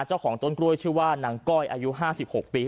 เจ้าของต้นกล้วยชื่อว่านางก้อยอายุ๕๖ปี